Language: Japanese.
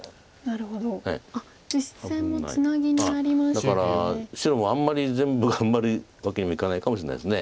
だから白もあんまり全部頑張るわけにもいかないかもしれないです。